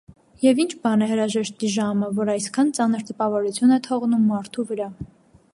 Եվ ի՞նչ բան է հրաժեշտի ժամը, որ այսքան ծանր տպավորություն է թողնում մարդու վրա: